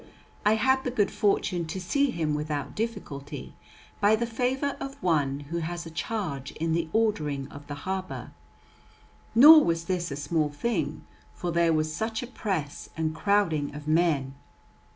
I had the good fortune to see him without difficulty, by the favour of one who has a charge in the ordering of the harbour. Nor was this a small thing, for there was such a press and crowding of men.